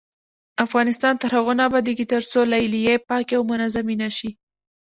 افغانستان تر هغو نه ابادیږي، ترڅو لیلیې پاکې او منظمې نشي.